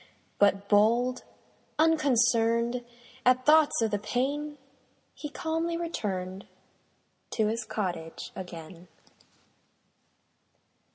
But bold, unconcern'd At thoughts of the pain, He calmly return'd To his cottage again.